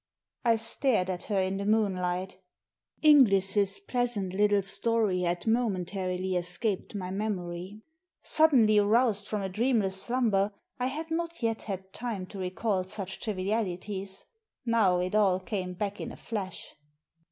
I stared at her in the moonlight. Inglis's pleasant little story had momentarily escaped my memory. Suddenly roused from a dreamless slumber, I had not yet had time to recall such trivialities. Now it all came back in a flash.